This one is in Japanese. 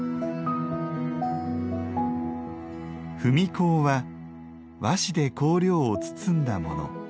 「文香」は和紙で香料を包んだもの。